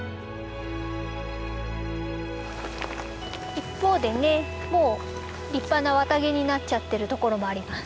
一方でねもう立派な綿毛になっちゃってるところもあります。